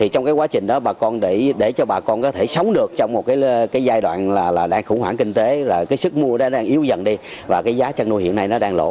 trong quá trình đó để cho bà con có thể sống được trong một giai đoạn khủng hoảng kinh tế sức mua đang yếu dần đi và giá chăn nuôi hiện nay đang lỗ